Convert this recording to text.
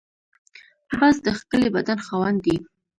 باز د ښکلي بدن خاوند دی